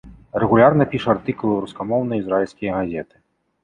Рэгулярна піша артыкулы ў рускамоўныя ізраільскія газеты.